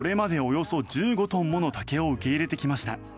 これまでおよそ１５トンもの竹を受け入れてきました。